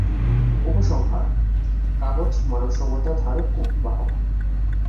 উপসংহার: কাগজ মানবসভ্যতার ধারক ও বাহক।